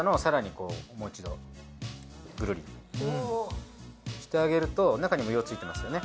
こうもう一度グルリしてあげると中にも色ついてますよね。